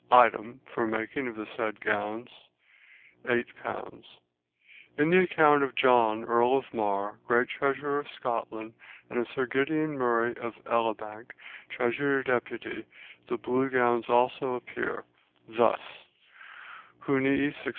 "Item, for making of the saidis gownis viij li." In the Account of John, Earl of Mar, Great Treasurer of Scotland, and of Sir Gideon Murray of Enbank, Treasurer Depute, the Blue Gowns also appear thus: "Junij 1617.